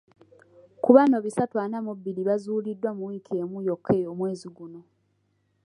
Ku bano bisatu ana mu bbiri bazuuliddwa mu wiiki emu yokka omwezi guno.